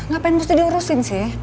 gapain mesti diurusin sih